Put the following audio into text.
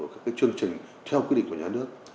các chương trình theo quy định của nhà nước